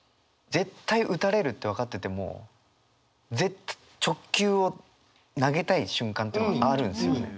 絶対打たれるって分かってても直球を投げたい瞬間というのがあるんですよね。